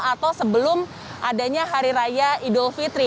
atau sebelum adanya hari raya idul fitri